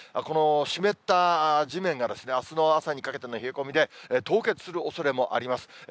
この湿った地面が、あすの朝にかけての冷え込みで、凍結するおそれもあります。